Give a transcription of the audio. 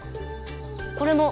これも！